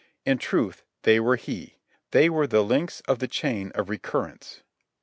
In truth, they were he, they were the links of the chain of recurrence.